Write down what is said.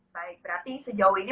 baik berarti sejauh ini